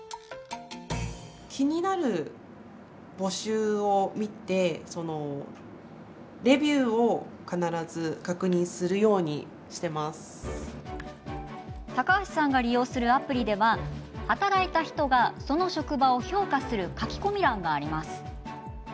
気になる募集を見て高橋さんが利用するアプリでは働いた人がその職場を評価する書き込み欄があります。